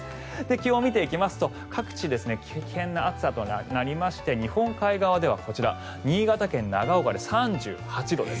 気温を見ていきますと各地、危険な暑さとなりまして日本海側では新潟県長岡で３８度です。